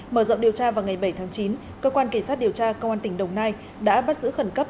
mở rộng điều tra vào ngày bảy tháng chín cơ quan kỳ sát điều tra công an tỉnh đồng nai đã bắt giữ khẩn cấp